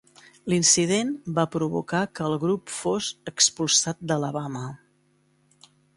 L'incident va provocar que el grup fos "expulsat d'Alabama".